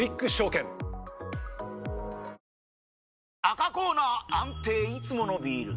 赤コーナー安定いつものビール！